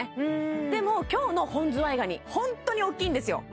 でも今日の本ズワイガニホントに大っきいんですよ